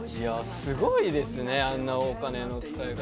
すごいですね、あんなお金の使い方。